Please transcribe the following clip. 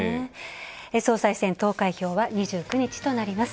総裁選投開票は２９日となります。